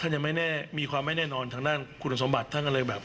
ถ้ายังไม่แน่มีความไม่แน่นอนทั้งด้านคุณสมบัติทั้งอะไรแบบ